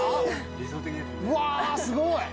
うわすごい！